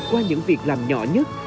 qua những việc làm nhỏ nhất